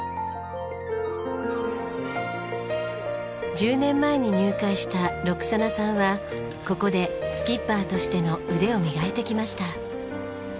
１０年前に入会したロクサナさんはここでスキッパーとしての腕を磨いてきました。